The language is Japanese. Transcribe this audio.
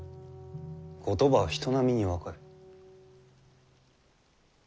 言葉は人並みに分かる。